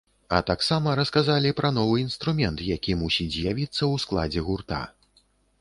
А таксама расказалі пра новы інструмент, які мусіць з'явіцца ў складзе гурта.